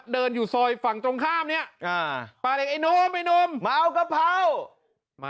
เดินอยู่ซอยฝั่งตรงข้ามเนี้ยอ่าป้าเด็กไอ้นมไอ้หนุ่มมาเอากะเพรามา